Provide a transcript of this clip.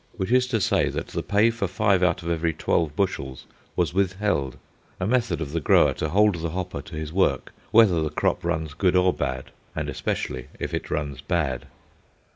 Which is to say that the pay for five out of every twelve bushels was withheld—a method of the grower to hold the hopper to his work whether the crop runs good or bad, and especially if it runs bad.